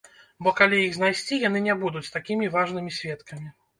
Бо калі іх знайсці, яны не будуць такімі важнымі сведкамі.